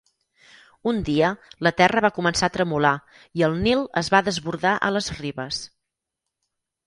Un dia, la terra va començar a tremolar i el Nil es va desbordar a les ribes.